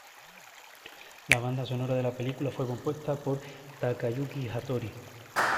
La banda sonora de la película fue compuesta por Takayuki Hattori.